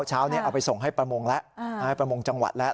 เช้านี้เอาไปส่งให้ประมงแล้วให้ประมงจังหวัดแล้ว